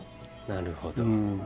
なるほど。